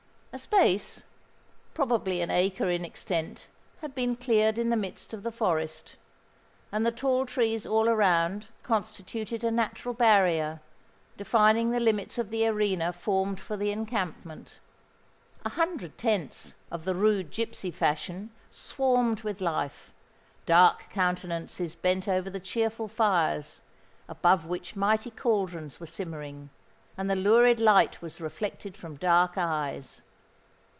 A space, probably an acre in extent, had been cleared in the midst of the forest; and the tall trees all around constituted a natural barrier, defining the limits of the arena formed for the encampment. A hundred tents, of the rude gipsy fashion, swarmed with life. Dark countenances bent over the cheerful fires, above which mighty caldrons were simmering; and the lurid light was reflected from dark eyes.